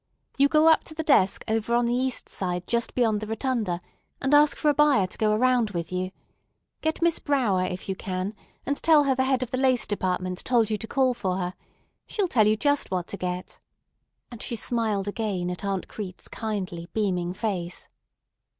You go up to the desk over on the east side just beyond the rotunda, and ask for a buyer to go around with you. Get Miss Brower if you can, and tell her the head of the lace department told you to call for her. She'll tell you just what to get," and she smiled again at Aunt Crete's kindly, beaming face.